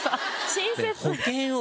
親切！